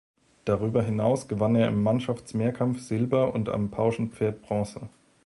Darüber hinaus gewann er im Mannschaftsmehrkampf Silber und am Pauschenpferd Bronze.